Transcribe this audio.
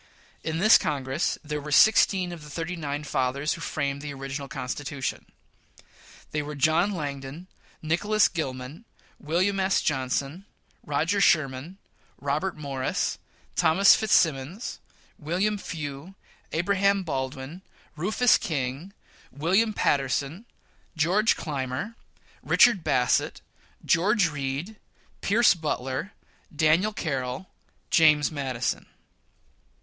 In this Congress there were sixteen of the thirty nine fathers who framed the original Constitution. They were John Langdon, Nicholas Gilman, Wm. S. Johnnson, Roger Sherman, Robert Morris, Thos. Fitzsimmons, William Few, Abraham Baldwin, Rufus King, William Paterson, George Claimer, Richard Bassett, George Read, Pierce Butler, Daniel Carroll, James Madison.